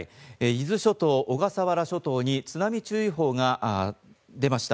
伊豆諸島、小笠原諸島に津波注意報が出ました